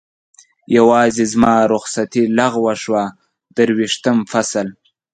یوازې زما رخصتي لغوه شوه، درویشتم فصل.